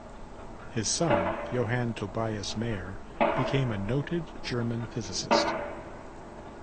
His son Johann Tobias Mayer became a noted German physicist.